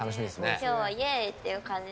今日はイエーイっていう感じで。